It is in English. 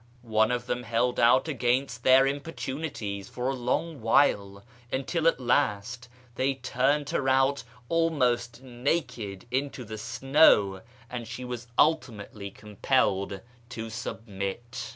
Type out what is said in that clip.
One of them held ont against their importunities for a long while, until at last they turned her out almost naked into the snow, and she was ultimately compelled to submit."